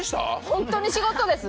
本当に仕事です！